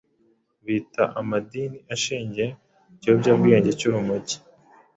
bita amadini ashingiye ku kiyobyabwenge cy’urumogi